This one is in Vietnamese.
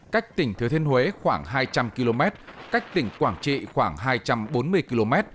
cách tỉnh thứa thiên huế khoảng hai trăm linh km cách tỉnh quảng trị khoảng hai trăm bốn mươi km